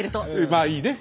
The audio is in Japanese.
まあいいね。